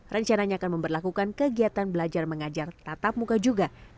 rencananya akan memperlakukan kegiatan belajar mengajar tatap muka juga